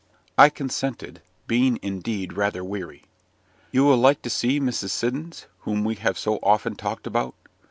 I consented, being indeed rather weary. "You will like to see Mrs. Siddons, whom we have so often talked about?